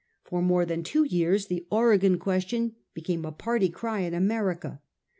For more than two years the Oregon question became a party cry in America.